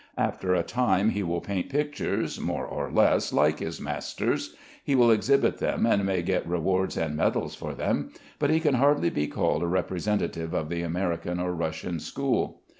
After a time he will paint pictures more or less like his master's; he will exhibit them, and may get rewards and medals for them; but he can hardly be called a representative of the American or Russian school.